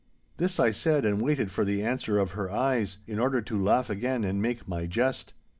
This I said and waited for the answer of her eyes, in order to laugh again and make my jest.